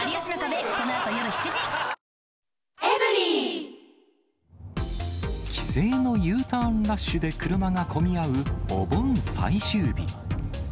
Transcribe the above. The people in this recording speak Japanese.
新しくなった帰省のＵターンラッシュで車が混み合うお盆最終日。